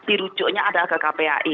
dirujuknya ada ke kpai